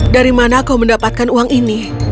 dari mana kau mendapatkan uang ini